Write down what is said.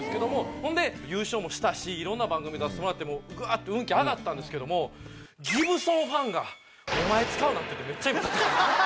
ほんで優勝もしたしいろんな番組出させてもらってぐわって運気上がったんですけどもギブソンファンが。ってめっちゃ今たたかれて。